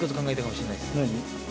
何？